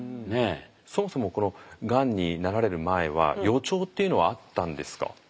そもそもこのがんになられる前は予兆っていうのはあったんですか？